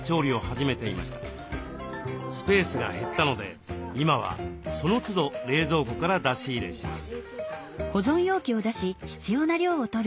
スペースが減ったので今はそのつど冷蔵庫から出し入れします。